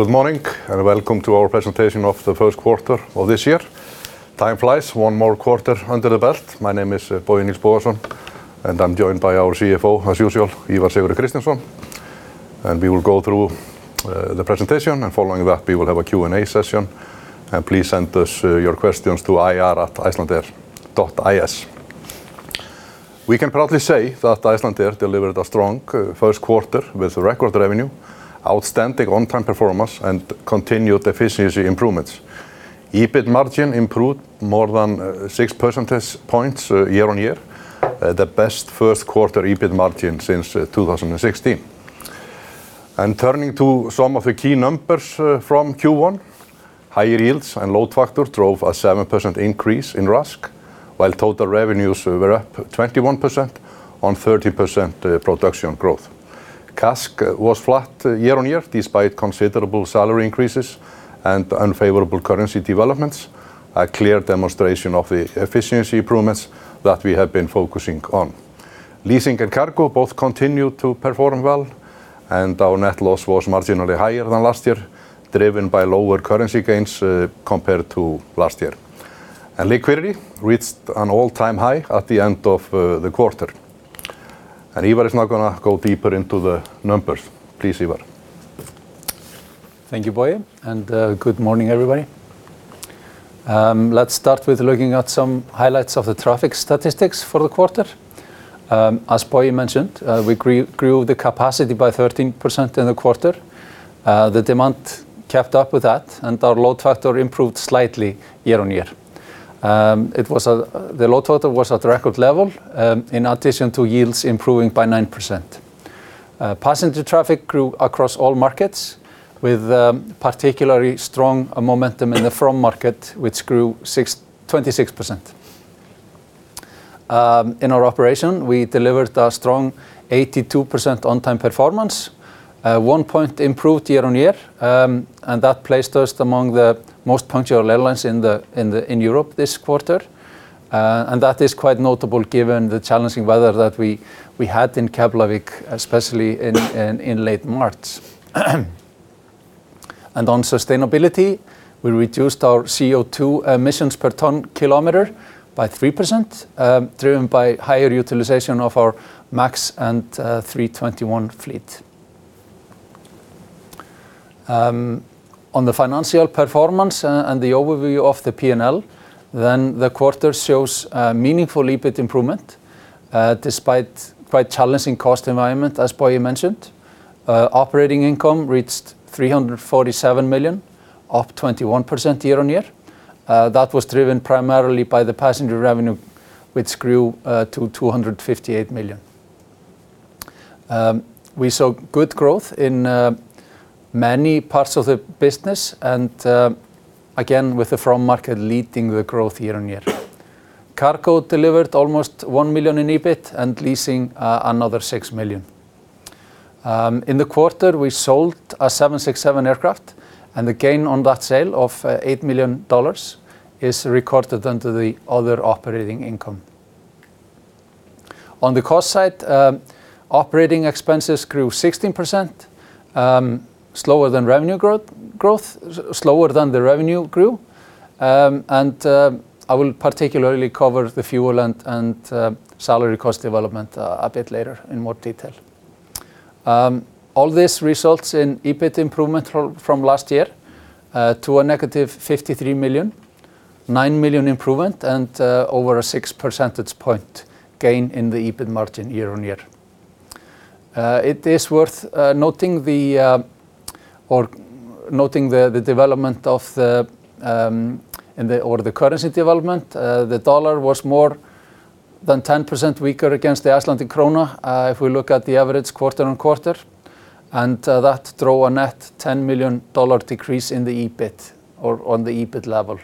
Good morning, and welcome to our presentation of the Q1 of this year. Time flies, one more quarter under the belt. My name is Bogi Nils Bogason, and I'm joined by our CFO, as usual, Ívar S. Kristinsson. We will go through the presentation, and following that we will have a Q&A session. Please send us your questions to ir@icelandair.is. We can proudly say that Icelandair delivered a strong Q1 with record revenue, outstanding on-time performance, and continued efficiency improvements. EBIT margin improved more than 6 percentage points year-on-year, the best Q1 EBIT margin since 2016. Turning to some of the key numbers from Q1, higher yields and load factor drove a 7% increase in RASK, while total revenues were up 21% on 30% production growth. CASK was flat year-on-year despite considerable salary increases and unfavorable currency developments, a clear demonstration of the efficiency improvements that we have been focusing on. Leasing and cargo both continued to perform well, and our net loss was marginally higher than last year, driven by lower currency gains compared to last year. Liquidity reached an all-time high at the end of the quarter. Ívar is now gonna go deeper into the numbers. Please, Ivar. Thank you, Bogi, good morning, everybody. Let's start with looking at some highlights of the traffic statistics for the quarter. As Bogi mentioned, we grew the capacity by 13% in the quarter. The demand kept up with that, our load factor improved slightly year-on-year. The load factor was at record level, in addition to yields improving by 9%. Passenger traffic grew across all markets with particularly strong momentum in the from market, which grew 26%. In our operation, we delivered a strong 82% on-time performance, 1 point improved year-on-year. That placed us among the most punctual airlines in Europe this quarter. That is quite notable given the challenging weather that we had in Keflavik, especially in late March. On sustainability, we reduced our CO2 emissions per ton kilometer by 3%, driven by higher utilization of our MAX and 321 fleet. On the financial performance and the overview of the P&L, the quarter shows a meaningful EBIT improvement, despite quite challenging cost environment, as Bogi mentioned. Operating income reached 347 million, up 21% year-on-year. That was driven primarily by the passenger revenue, which grew to 258 million. We saw good growth in many parts of the business and again, with the from market leading the growth year-on-year. Cargo delivered almost 1 million in EBIT and leasing another 6 million. In the quarter, we sold a 767 aircraft, and the gain on that sale of $8 million is recorded under the other operating income. On the cost side, operating expenses grew 16% slower than the revenue grew. I will particularly cover the fuel and salary cost development a bit later in more detail. All this results in EBIT improvement from last year to a negative 53 million, 9 million improvement and over a six percentage point gain in the EBIT margin year-on-year. It is worth noting the currency development. The dollar was more than 10% weaker against the Icelandic krona if we look at the average quarter-on-quarter, that drove a net $10 million decrease in the EBIT or on the EBIT level.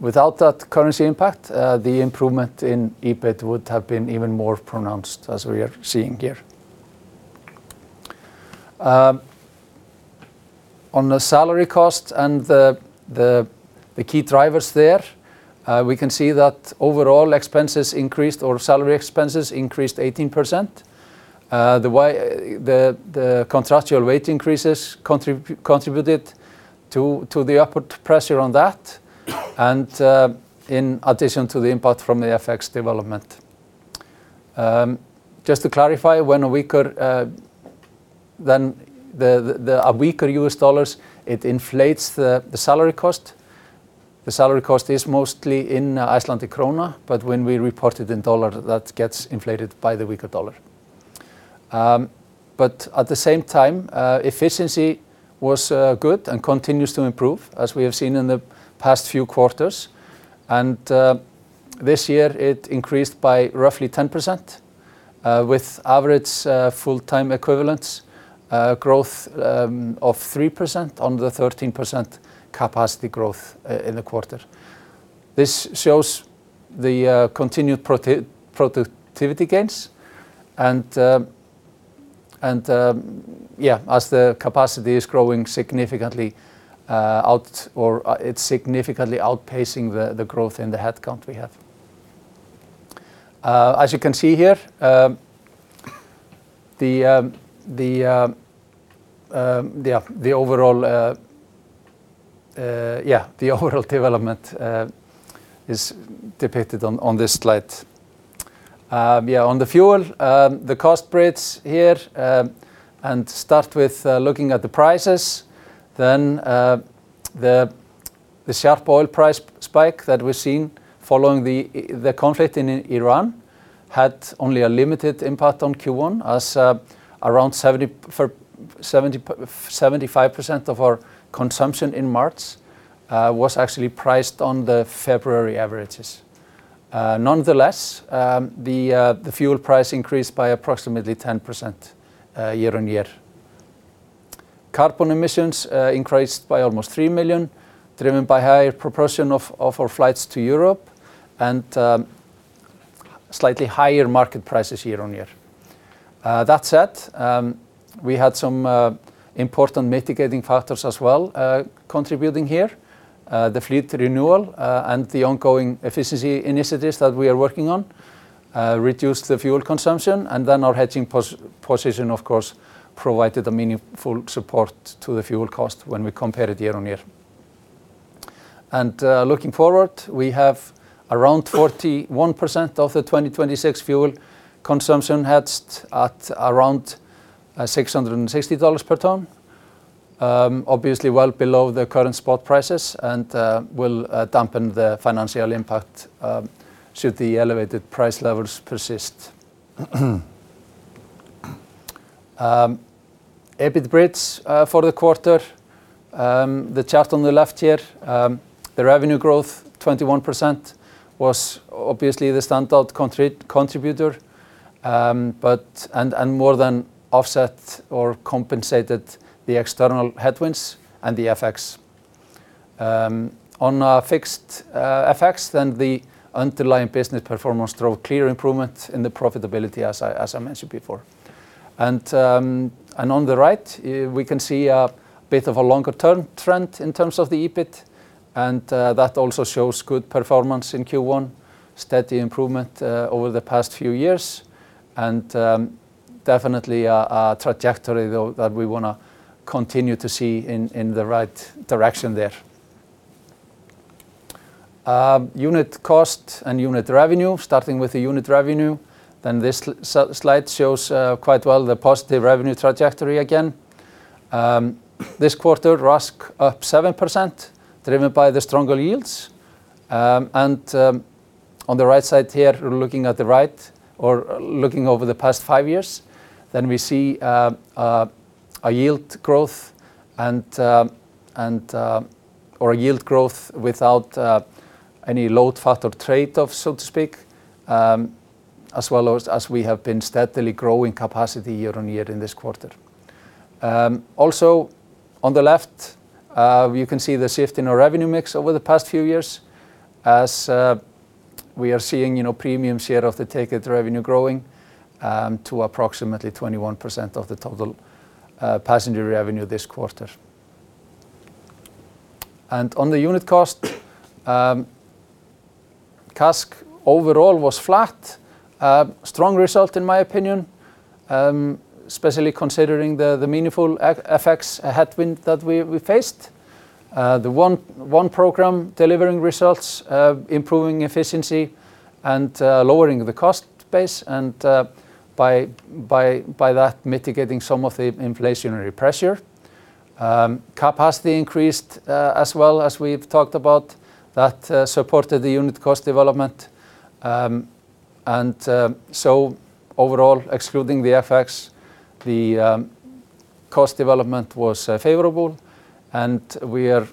Without that currency impact, the improvement in EBIT would have been even more pronounced as we are seeing here. On the salary cost and the key drivers there, we can see that overall expenses increased or salary expenses increased 18%. The way the contractual rate increases contributed to the upward pressure on that and in addition to the impact from the FX development. Just to clarify, when a weaker US dollar, it inflates the salary cost. The salary cost is mostly in Icelandic krona, when we report it in USD, that gets inflated by the weaker USD. At the same time, efficiency was good and continues to improve as we have seen in the past few quarters. This year it increased by roughly 10% with average full-time equivalents growth of 3% on the 13% capacity growth in the quarter. This shows the continued productivity gains and as the capacity is growing significantly out or it is significantly outpacing the growth in the headcount we have. As you can see here, the overall development is depicted on this slide. On the fuel, the cost bridge here, start with looking at the prices. The sharp oil price spike that we're seeing following the conflict in Iran had only a limited impact on Q1 as around 75% of our consumption in March was actually priced on the February averages. Nonetheless, the fuel price increased by approximately 10% year-on-year. Carbon emissions increased by almost 3 million, driven by higher proportion of our flights to Europe and slightly higher market prices year-on-year. That said, we had some important mitigating factors as well, contributing here. The fleet renewal and the ongoing efficiency initiatives that we are working on reduced the fuel consumption, and our hedging position, of course, provided a meaningful support to the fuel cost when we compare it year-on-year. Looking forward, we have around 41% of the 2026 fuel consumption hedged at around $660 per ton. Obviously, well below the current spot prices and will dampen the financial impact should the elevated price levels persist. EBIT bridge for the quarter. The chart on the left here, the revenue growth, 21%, was obviously the standout contributor, but and more than offset or compensated the external headwinds and the FX. On a fixed FX, the underlying business performance drove clear improvement in the profitability, as I mentioned before. On the right, we can see a bit of a longer term trend in terms of the EBIT, that also shows good performance in Q1, steady improvement over the past few years, and definitely a trajectory though that we want to continue to see in the right direction there. Unit cost and unit revenue, starting with the unit revenue, this slide shows quite well the positive revenue trajectory again. This quarter, RASK up 7%, driven by the stronger yields. On the right side here, looking at the right or looking over the past five years, we see a yield growth. or a yield growth without any load factor trade-off, so to speak, as well as we have been steadily growing capacity year on year in this quarter. Also on the left, you can see the shift in our revenue mix over the past few years as we are seeing, you know, premium share of the ticket revenue growing to approximately 21% of the total passenger revenue this quarter. On the unit cost, CASK overall was flat. Strong result in my opinion, especially considering the meaningful FX headwind that we faced. The ONE program delivering results, improving efficiency and lowering the cost base and by that mitigating some of the inflationary pressure. Capacity increased as well as we've talked about, that supported the unit cost development. Overall, excluding the FX, the cost development was favorable, and we are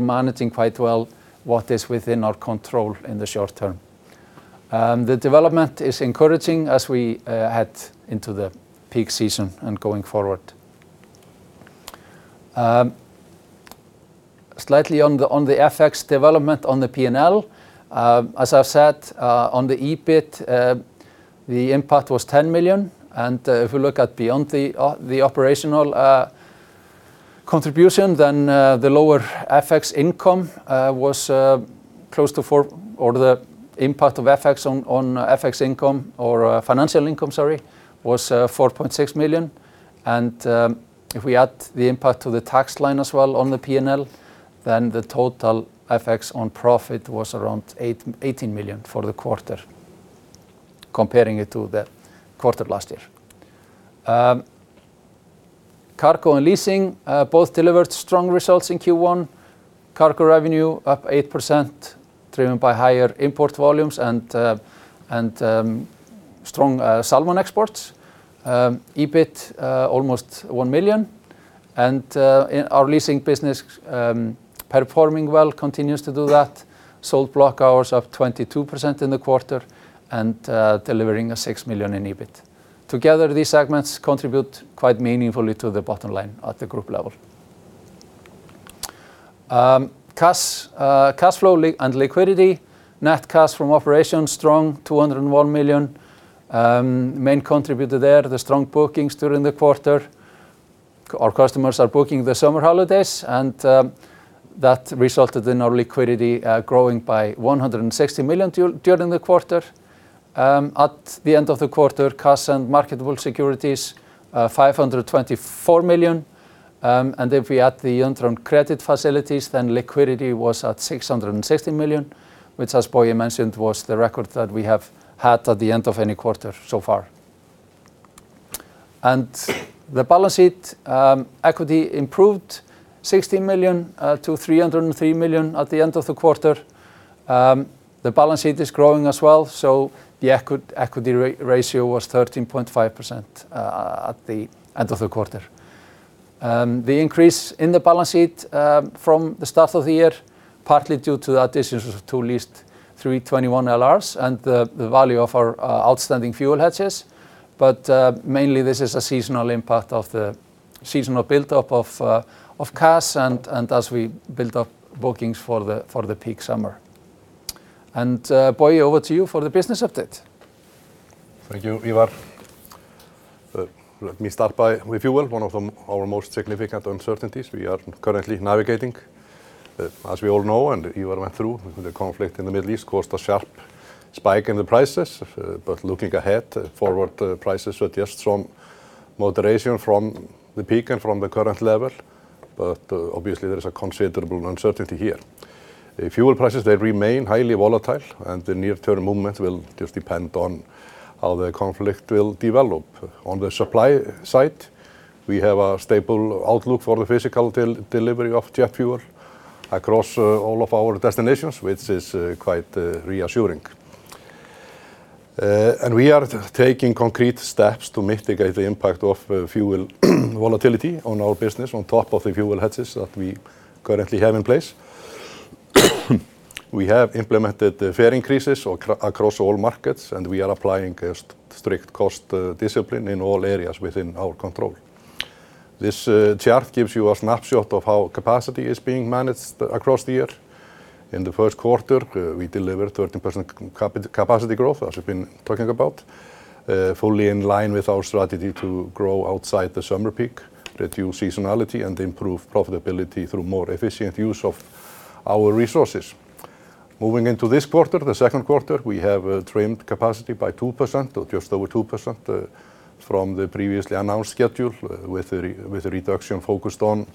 managing quite well what is within our control in the short term. The development is encouraging as we head into the peak season and going forward. Slightly on the FX development on the P&L. As I've said, on the EBIT, the impact was 10 million. If we look at beyond the operational contribution, the lower FX income, or the impact of FX on FX income or financial income, was 4.6 million. If we add the impact to the tax line as well on the P&L, the total FX on profit was around 18 million for the quarter, comparing it to the quarter last year. Cargo and leasing both delivered strong results in Q1. Cargo revenue up 8%, driven by higher import volumes and strong salmon exports. EBIT almost 1 million. In our leasing business, performing well, continues to do that. Sold block hours up 22% in the quarter and delivering 6 million in EBIT. Together, these segments contribute quite meaningfully to the bottom line at the group level. Cash, cash flow and liquidity. Net cash from operations strong, 201 million. Main contributor there, the strong bookings during the quarter. Our customers are booking the summer holidays, and that resulted in our liquidity growing by 160 million during the quarter. At the end of the quarter, cash and marketable securities are 524 million. If we add the undrawn credit facilities, then liquidity was at 660 million, which, as Bogi mentioned, was the record that we have had at the end of any quarter so far. The balance sheet, equity improved 60 million to 303 million at the end of the quarter. The balance sheet is growing as well, the equity ratio was 13.5% at the end of the quarter. The increase in the balance sheet from the start of the year, partly due to additions to leased A321LRs and the value of our outstanding fuel hedges. Mainly this is a seasonal impact of the seasonal buildup of cash and as we build up bookings for the peak summer. Bogi, over to you for the business update. Thank you, Ívar. Let me start by with fuel, one of the, our most significant uncertainties we are currently navigating. As we all know, and Ívar went through, the conflict in the Middle East caused a sharp spike in the prices. Looking ahead, forward, the prices suggest some moderation from the peak and from the current level. Obviously, there is a considerable uncertainty here. If fuel prices, they remain highly volatile, and the near-term movement will just depend on how the conflict will develop. On the supply side, we have a stable outlook for the physical delivery of jet fuel across all of our destinations, which is quite reassuring. We are taking concrete steps to mitigate the impact of fuel volatility on our business on top of the fuel hedges that we currently have in place. We have implemented the fare increases across all markets, we are applying a strict cost discipline in all areas within our control. This chart gives you a snapshot of how capacity is being managed across the year. In the Q1, we delivered 13% capacity growth, as we've been talking about, fully in line with our strategy to grow outside the summer peak, reduce seasonality, improve profitability through more efficient use of our resources. Moving into this quarter, the Q2, we have trimmed capacity by 2%, or just over 2%, from the previously announced schedule, with the reduction focused on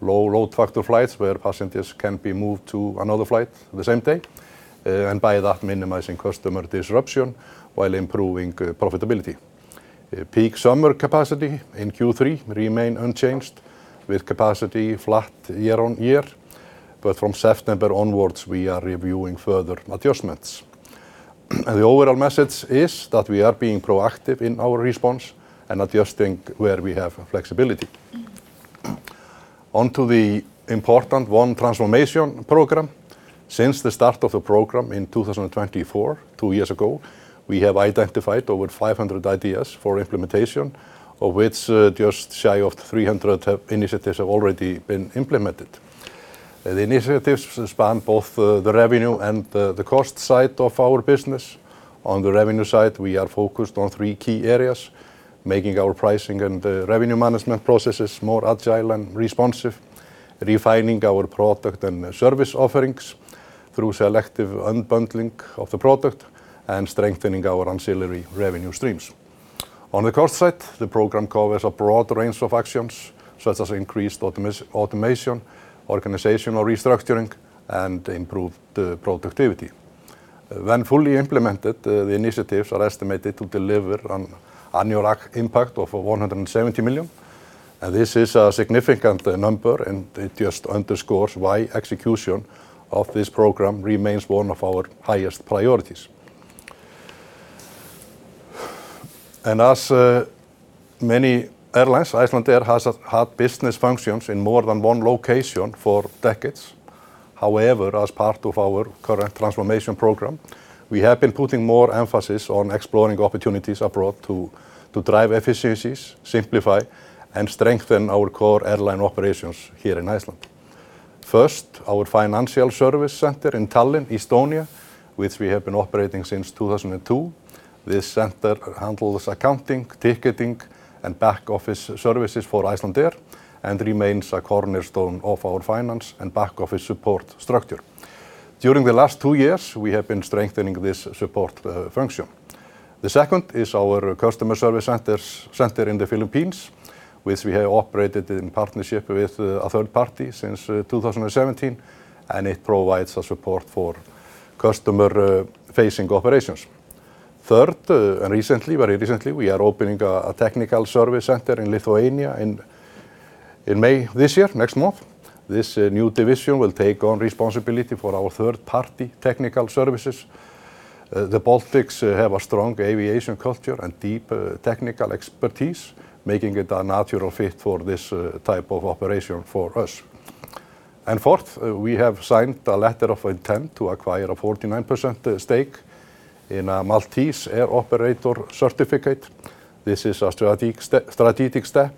low load factor flights where passengers can be moved to another flight the same day, by that, minimizing customer disruption while improving profitability. Peak summer capacity in Q3 remain unchanged with capacity flat year-on-year. From September onwards, we are reviewing further adjustments. The overall message is that we are being proactive in our response and adjusting where we have flexibility. On to the important ONE transformation program. Since the start of the program in 2024, two years ago, we have identified over 500 ideas for implementation, of which, just shy of 300 initiatives have already been implemented. The initiatives span both the revenue and the cost side of our business. On the revenue side, we are focused on 3 key areas, making our pricing and revenue management processes more agile and responsive, refining our product and service offerings through selective unbundling of the product, and strengthening our ancillary revenue streams. On the cost side, the program covers a broad range of actions, such as increased automation, organizational restructuring, and improved productivity. When fully implemented, the initiatives are estimated to deliver an annual impact of 170 million. This is a significant number, and it just underscores why execution of this program remains one of our highest priorities. As many airlines, Icelandair had business functions in more than one location for decades. However, as part of our current transformation program, we have been putting more emphasis on exploring opportunities abroad to drive efficiencies, simplify, and strengthen our core airline operations here in Iceland. First, our financial service center in Tallinn, Estonia, which we have been operating since 2002. This center handles accounting, ticketing, and back office services for Icelandair and remains a cornerstone of our finance and back office support structure. During the last 2 years, we have been strengthening this support function. The second is our customer service center in the Philippines, which we have operated in partnership with a third party since 2017, and it provides a support for customer facing operations. Third, and recently, very recently, we are opening a technical service center in Lithuania in May this year, next month. This new division will take on responsibility for our third-party technical services. The Baltics have a strong aviation culture and deep technical expertise, making it a natural fit for this type of operation for us. Fourth, we have signed a letter of intent to acquire a 49% stake in a Maltese Air Operator Certificate. This is a strategic step.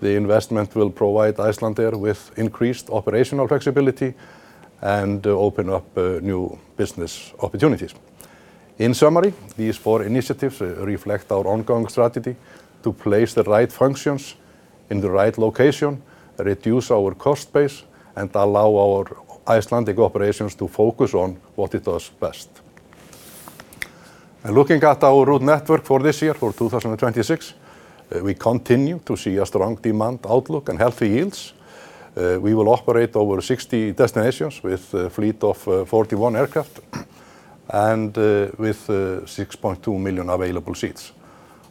The investment will provide Icelandair with increased operational flexibility and open up new business opportunities. In summary, these four initiatives reflect our ongoing strategy to place the right functions in the right location, reduce our cost base, and allow our Icelandic operations to focus on what it does best. Looking at our route network for this year, for 2026, we continue to see a strong demand outlook and healthy yields. We will operate over 60 destinations with a fleet of 41 aircraft and with 6.2 million available seats.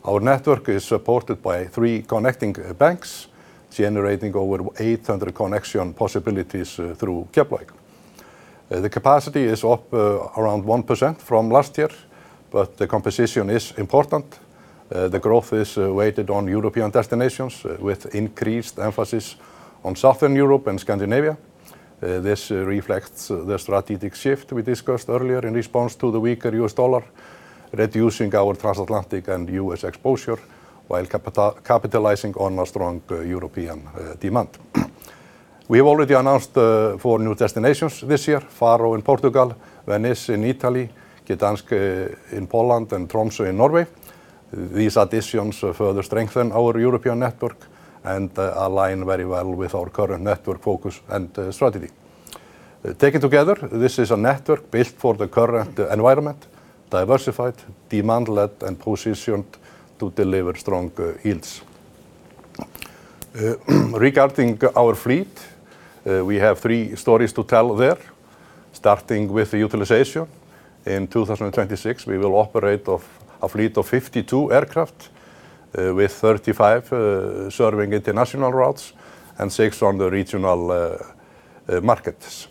Our network is supported by three connecting banks, generating over 800 connection possibilities through Keflavik. The capacity is up around 1% from last year, but the composition is important. The growth is weighted on European destinations, with increased emphasis on Southern Europe and Scandinavia. This reflects the strategic shift we discussed earlier in response to the weaker U.S. dollar, reducing our transatlantic and U.S. exposure while capitalizing on a strong European demand. We have already announced four new destinations this year, Faro in Portugal, Venice in Italy, Gdansk in Poland, and Tromsø in Norway. These additions further strengthen our European network and align very well with our current network focus and strategy. Taken together, this is a network built for the current environment, diversified, demand-led, and positioned to deliver strong yields. Regarding our fleet, we have three stories to tell there. Starting with the utilization. In 2026, we will operate of a fleet of 52 aircraft, with 35 serving international routes and 6 on the regional markets.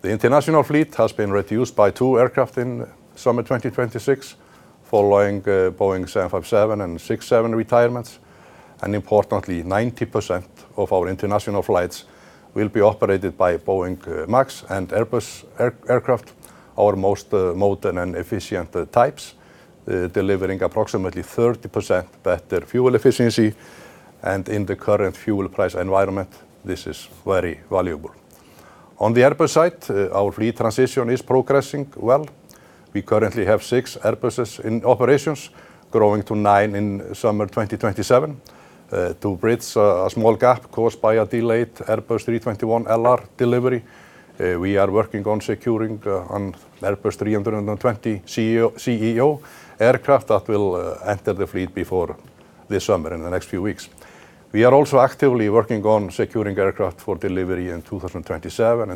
The international fleet has been reduced by 2 aircraft in summer 2026 following Boeing 757 and 767 retirements. Importantly, 90% of our international flights will be operated by Boeing MAX and Airbus aircraft, our most modern and efficient types, delivering approximately 30% better fuel efficiency, and in the current fuel price environment, this is very valuable. On the Airbus side, our fleet transition is progressing well. We currently have 6 Airbuses in operations, growing to 9 in summer 2027. To bridge a small gap caused by a delayed Airbus A321LR delivery, we are working on securing an Airbus A320ceo aircraft that will enter the fleet before this summer, in the next few weeks. We are also actively working on securing aircraft for delivery in 2027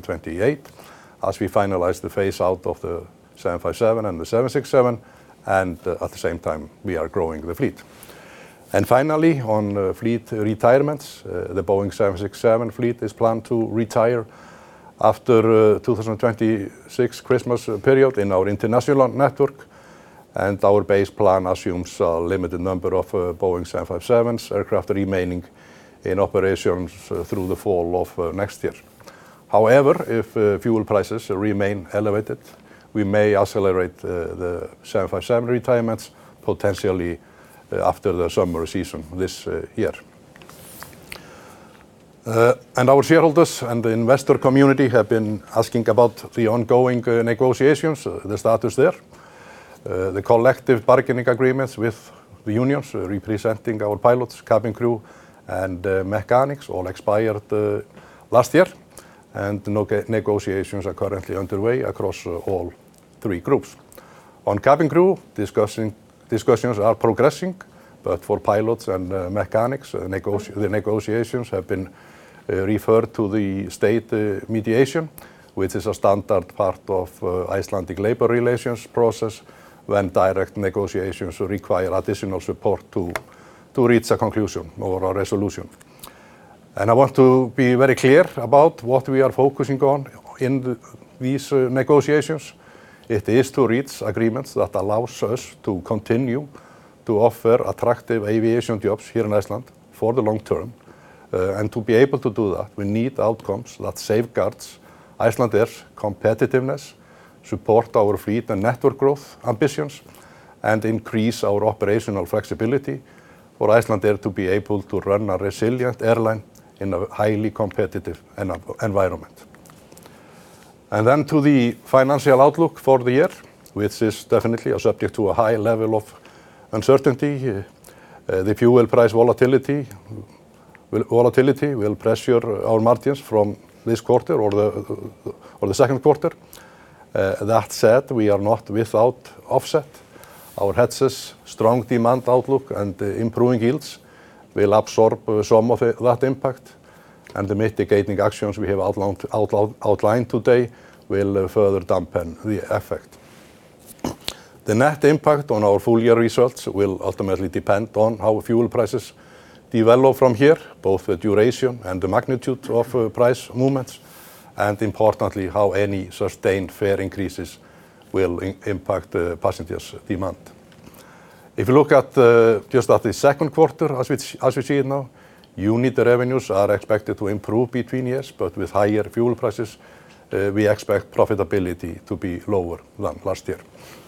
and 2028 as we finalize the phase-out of the Boeing 757 and the Boeing 767, and at the same time, we are growing the fleet. Finally, on fleet retirements, the Boeing 767 fleet is planned to retire after 2026 Christmas period in our international network, and our base plan assumes a limited number of Boeing 757s aircraft remaining in operations through the fall of next year. However, if fuel prices remain elevated, we may accelerate the 757 retirements, potentially after the summer season this year. Our shareholders and the investor community have been asking about the ongoing negotiations, the status there. The collective bargaining agreements with the unions representing our pilots, cabin crew, and mechanics all expired last year. Negotiations are currently underway across all three groups. On cabin crew, discussions are progressing. For pilots and mechanics, the negotiations have been referred to the state mediation, which is a standard part of Icelandic labor relations process when direct negotiations require additional support to reach a conclusion or a resolution. I want to be very clear about what we are focusing on in these negotiations. It is to reach agreements that allows us to continue to offer attractive aviation jobs here in Iceland for the long term. To be able to do that, we need outcomes that safeguards Icelandair's competitiveness, support our fleet and network growth ambitions, and increase our operational flexibility for Icelandair to be able to run a resilient airline in a highly competitive environment. To the financial outlook for the year, which is definitely a subject to a high level of uncertainty. The fuel price volatility will pressure our margins from this quarter or the Q2. That said, we are not without offset. Our hedges, strong demand outlook, and improving yields will absorb some of that impact, and the mitigating actions we have outlined today will further dampen the effect. The net impact on our full year results will ultimately depend on how fuel prices develop from here, both the duration and the magnitude of price movements, and importantly, how any sustained fare increases will impact passengers' demand. If you look at just at the Q2, as we see it now, unit revenues are expected to improve between years, but with higher fuel prices, we expect profitability to be lower than last year. To close, before we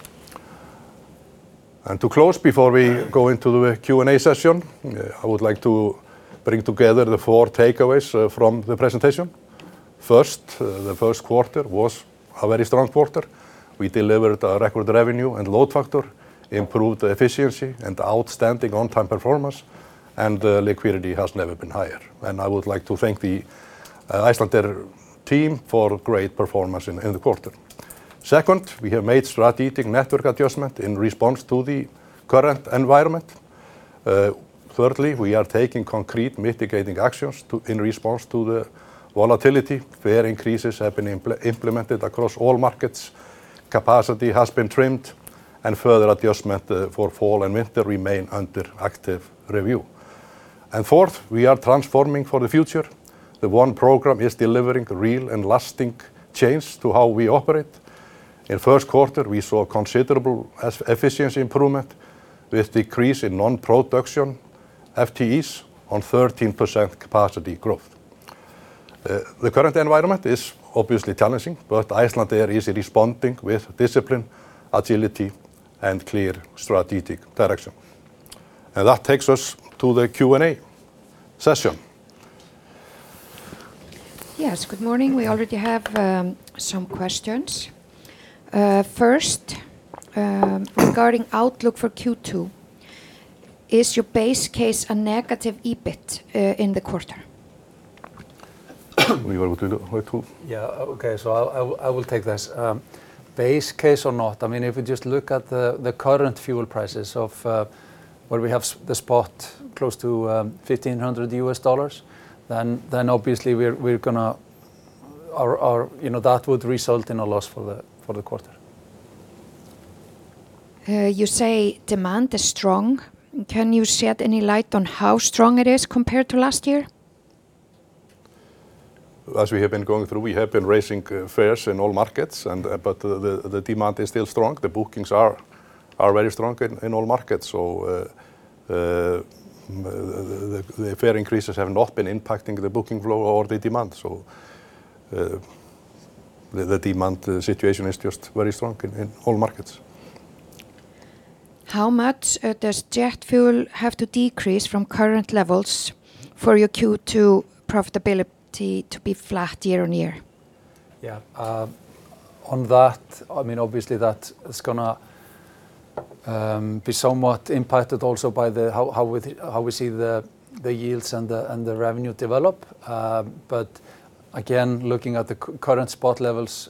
go into the Q&A session, I would like to bring together the 4 takeaways from the presentation. First, the Q1 was a very strong quarter. We delivered a record revenue and load factor, improved efficiency, and outstanding on-time performance, and liquidity has never been higher. I would like to thank the Icelandair team for great performance in the quarter. Second, we have made strategic network adjustment in response to the current environment. Thirdly, we are taking concrete mitigating actions to, in response to the volatility. Fare increases have been implemented across all markets, capacity has been trimmed, further adjustment for fall and winter remain under active review. Fourth, we are transforming for the future. The ONE program is delivering real and lasting change to how we operate. In Q1, we saw considerable efficiency improvement with decrease in non-production FTEs on 13% capacity growth. The current environment is obviously challenging, Icelandair is responding with discipline, agility, and clear strategic direction. That takes us to the Q&A session. Yes. Good morning. We already have some questions. First, regarding outlook for Q2, is your base case a negative EBIT in the quarter? Ívar, want to do it? Ívar talk. Okay, I will take this. Base case or not, I mean, if you just look at the current fuel prices of where we have the spot close to $1,500, then obviously, you know, that would result in a loss for the quarter. You say demand is strong. Can you shed any light on how strong it is compared to last year? We have been going through, we have been raising fares in all markets, and, but the demand is still strong. The bookings are very strong in all markets. The fare increases have not been impacting the booking flow or the demand. The demand, the situation is just very strong in all markets. How much does jet fuel have to decrease from current levels for your Q2 profitability to be flat year-on-year? Yeah. On that, I mean, obviously, that is gonna be somewhat impacted also by the how we see the yields and the revenue develop. Again, looking at the current spot levels,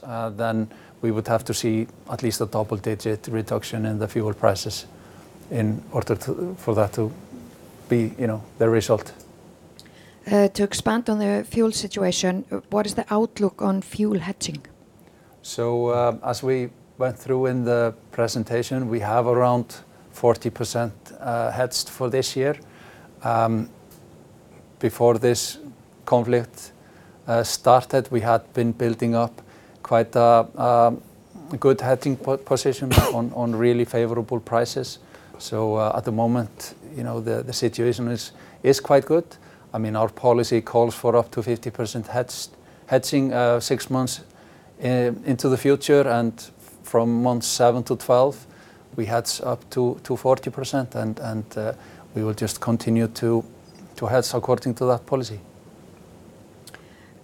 we would have to see at least a double-digit reduction in the fuel prices in order to, for that to be, you know, the result. To expand on the fuel situation, what is the outlook on fuel hedging? As we went through in the presentation, we have around 40% hedged for this year. Before this conflict started, we had been building up quite a good hedging position on really favorable prices. At the moment, you know, the situation is quite good. I mean, our policy calls for up to 50% hedged, hedging, six months into the future, and from month seven to 12, we hedge up to 40%. We will just continue to hedge according to that policy.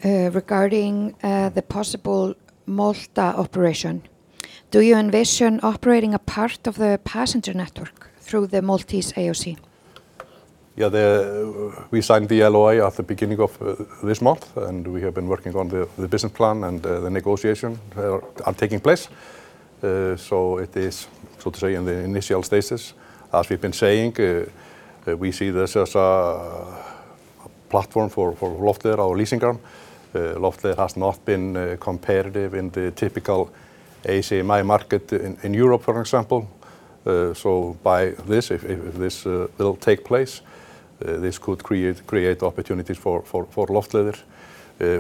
Regarding the possible Malta operation, do you envision operating a part of the passenger network through the Maltese AOC? We signed the LOI at the beginning of this month, and we have been working on the business plan, and the negotiations are taking place. It is, so to say, in the initial stages. As we've been saying, we see this as a platform for Loftleiðir, our leasing arm. Loftleiðir has not been competitive in the typical ACMI market in Europe, for example. By this, if this will take place, this could create opportunities for Loftleiðir.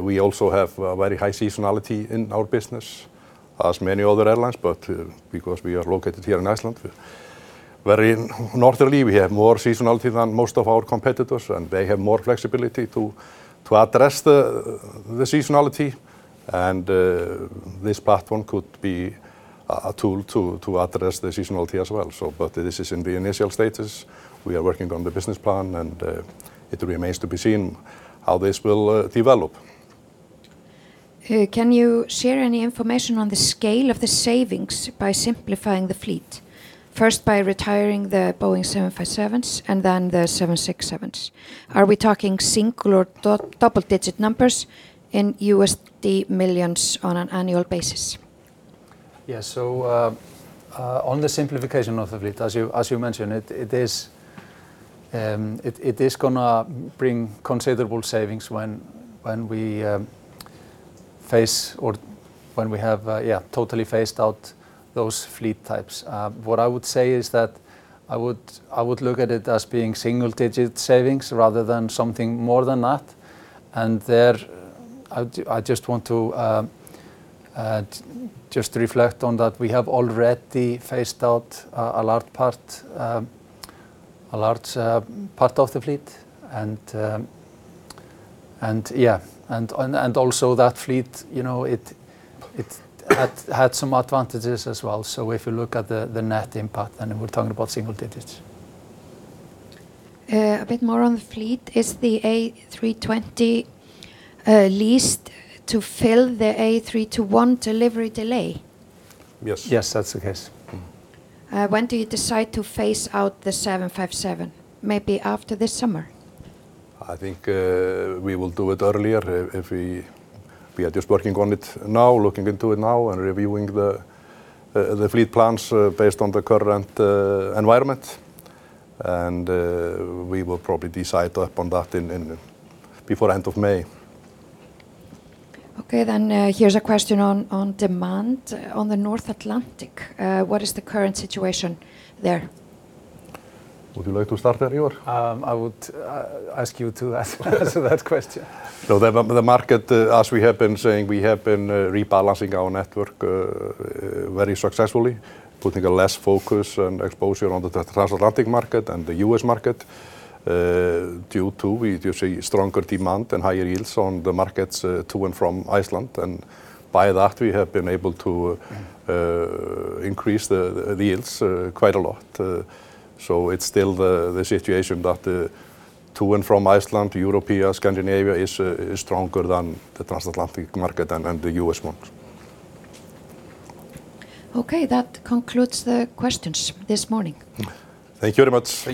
We also have very high seasonality in our business, as many other airlines, but because we are located here in Iceland, very northerly, we have more seasonality than most of our competitors, and they have more flexibility to address the seasonality. This platform could be a tool to address the seasonality as well. This is in the initial stages. We are working on the business plan and it remains to be seen how this will develop. Can you share any information on the scale of the savings by simplifying the fleet? First, by retiring the Boeing 757s and then the 767s. Are we talking single or double-digit numbers in $ millions on an annual basis? On the simplification of the fleet, as you mentioned, it is gonna bring considerable savings when we phase or when we have totally phased out those fleet types. What I would say is that I would look at it as being single-digit savings rather than something more than that. There, I just want to reflect on that we have already phased out a large part of the fleet. Also that fleet, you know, had some advantages as well. If you look at the net impact, we're talking about single digits. A bit more on the fleet, is the A320 leased to fill the A321 delivery delay? Yes. Yes, that's the case. Mm. When do you decide to phase out the Boeing 757? Maybe after this summer? I think, we will do it earlier. We are just working on it now, looking into it now, and reviewing the fleet plans, based on the current environment. We will probably decide upon that in before end of May. Okay, here's a question on demand. On the North Atlantic, what is the current situation there? Would you like to start that, Ívar S. Kristinsson? I would ask you to answer that question. The market, as we have been saying, we have been rebalancing our network very successfully, putting a less focus and exposure on the trans-Atlantic market and the U.S. market, due to, we do see stronger demand and higher yields on the markets to and from Iceland. By that, we have been able to increase the yields quite a lot. It's still the situation that to and from Iceland to Europe, yeah, Scandinavia is stronger than the trans-Atlantic market and the U.S. one. Okay. That concludes the questions this morning. Thank you very much.